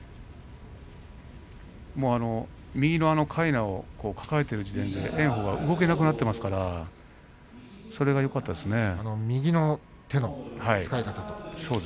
右のかいなを抱えている時点で炎鵬は動けなくなっていますから右の手の使い方。